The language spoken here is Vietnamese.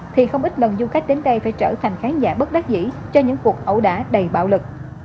thì không ít lần du khách đến đây phải trở thành khán giả bất đắc dĩ cho những cuộc ẩu đả đầy bạo lực